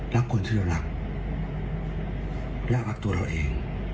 รักคนที่เรารักรักตัวเราเอง